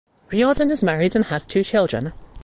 Riordan is married and has two children.